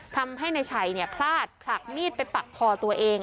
ทำให้นายชัยพลาดผลักมีดไปปักคอตัวเอง